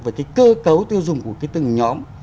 với cái cơ cấu tiêu dùng của từng nhóm